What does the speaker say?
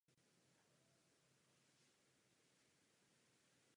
O tom, kdo na které otázky odpovídá, rozhoduje Komise.